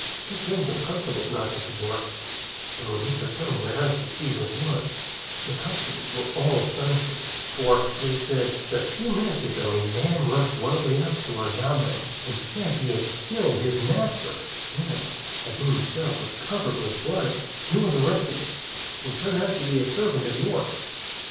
Just then some constables knocked at the door, and when Mr. Tung went out to see who it was, the constables were all astonishment; "for," said they, "a few minutes ago a man rushed wildly up to our yamên, and said he had killed his master; and, as he himself was covered with blood, he was arrested, and turned out to be a servant of yours.